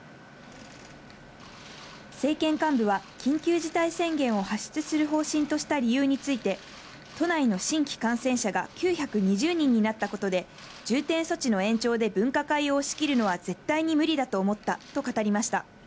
政権幹部は緊急事態宣言を発出する方針とした理由について、都内の新規感染者が９２０人になったことで、重点措置の延長で分科会を押し切るのは絶対に無理だと思ったと語りました。